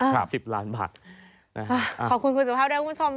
ขอบคุณคุณสุภาพด้วยคุณผู้ชม